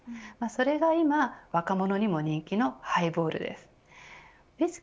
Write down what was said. それが今、若者にも人気のハイボールです。